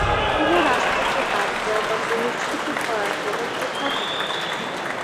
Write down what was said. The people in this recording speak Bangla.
কোন রাষ্ট্রকে বাদ দেওয়া বা বহিষ্কৃত করার কোন বিধান নেই।